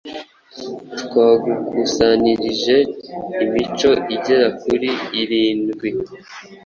twagukusanyirije imico igera kuri irindwi